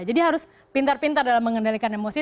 jadi harus pintar pintar dalam mengendalikan emosi